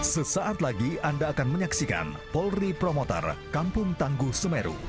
sesaat lagi anda akan menyaksikan polri promoter kampung tangguh semeru